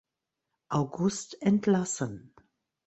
August entlassen.